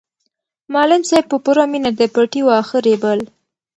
معلم صاحب په پوره مینه د پټي واښه رېبل.